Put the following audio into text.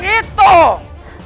yang mereka ketahui